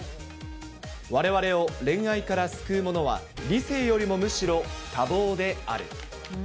われわれを恋愛から救うものは、理性よりもむしろ多忙である。